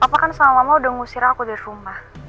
papa kan sama mama udah ngusir aku dari rumah